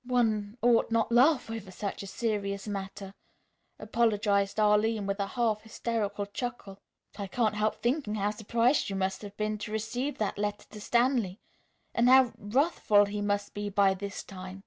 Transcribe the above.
"One ought not laugh over such a serious matter," apologized Arline, with a half hysterical chuckle. "But I can't help thinking how surprised you must have been to receive that letter to Stanley, and how wrathful he must be by this time."